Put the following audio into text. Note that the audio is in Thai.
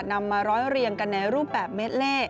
นำมาร้อยเรียงกันในรูปแบบเม็ดเล่